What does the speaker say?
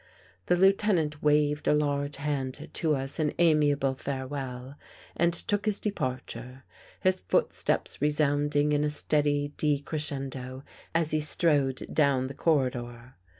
The Lieutenant waved a large hand to us in ami able farewell and took his departure, his footsteps resounding in a steady decrescendo as he strode down the corridor.